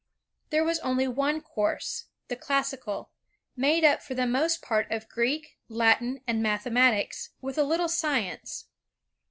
There was only one course, the classical, made up for the most part of Greek, Latin, and mathematics, with a Uttle science.